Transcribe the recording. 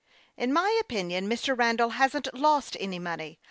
" In my opinion, Mr. Randall hasn't lost any money.